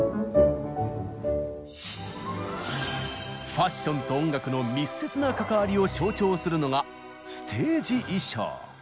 ファッションと音楽の密接な関わりを象徴するのがステージ衣装！